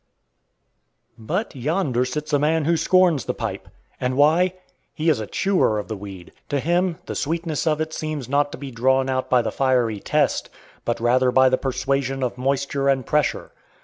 But yonder sits a man who scorns the pipe and why? He is a chewer of the weed. To him, the sweetness of it seems not to be drawn out by the fiery test, but rather by the persuasion of moisture and pressure.